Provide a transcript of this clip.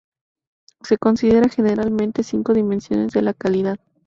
Se considera generalmente cinco dimensiones de la calidad.